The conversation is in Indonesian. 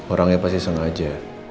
orangnya pasti sengaja